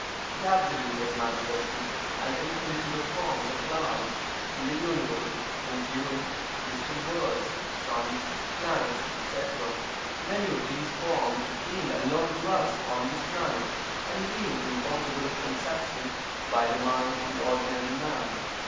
The Absolute has manifested an infinitude of forms of life in the Universe, including distant worlds, suns, planets, etc., many of these forms being unknown to us on this planet, and being impossible of conception by the mind of the ordinary man.